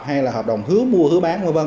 hay là hợp đồng hướng mua hứa bán v v